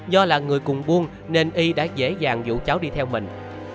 do là người cùng buông nên y đã dễ dàng dụ cháu đi theo mình